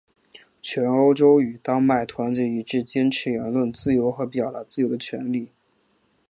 全欧洲与丹麦团结一致坚持言论自由和表达自由的权利。